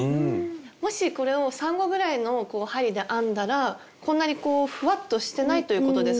もしこれを３号ぐらいの針で編んだらこんなにこうふわっとしてないということですか？